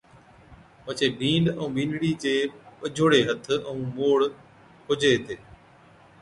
پڇي بِينڏَ ائُون بِينڏڙِي چي ٻجھوڙي ھٿ ائُون موڙ کوجي ھِتي